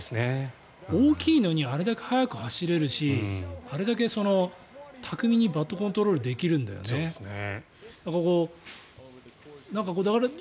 大きいのにあれだけ速く走れるしあれだけ巧みにバットコントロールができるんだよね。